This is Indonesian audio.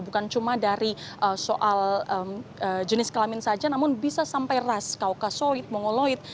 bukan cuma dari soal jenis kelamin saja namun bisa sampai ras kaukasoid mongoloid